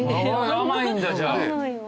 甘いんだじゃあ。